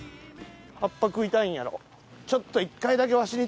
葉っぱ食いたいんやろ。